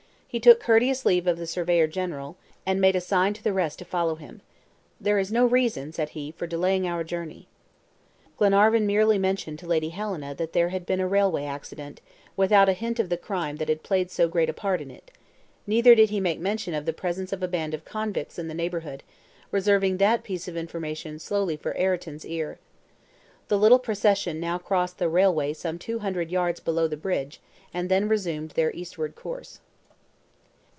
He took courteous leave of the surveyor general, and made a sign to the rest to follow him. "There is no reason," said he, "for delaying our journey." When they reached the wagon, Glenarvan merely mentioned to Lady Helena that there had been a railway accident, without a hint of the crime that had played so great a part in it; neither did he make mention of the presence of a band of convicts in the neighborhood, reserving that piece of information solely for Ayrton's ear. The little procession now crossed the railway some two hundred yards below the bridge, and then resumed their eastward course.